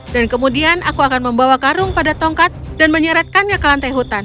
dan kemudian aku akan membawa karung pada tongkat dan menyeretkannya ke lantai hutan